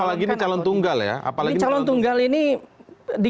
apalagi ini calon tunggu josé apalagi ini calon tunggu josé apalagi ini calon tunggu